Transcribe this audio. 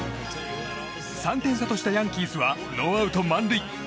３点差としたヤンキースはノーアウト満塁。